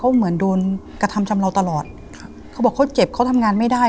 เขาเหมือนโดนกระทำชำเลาตลอดครับเขาบอกเขาเจ็บเขาทำงานไม่ได้